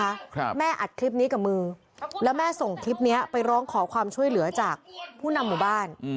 ครับแม่อัดคลิปนี้กับมือแล้วแม่ส่งคลิปเนี้ยไปร้องขอความช่วยเหลือจากผู้นำหมู่บ้านอืม